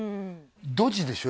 ドジでしょ？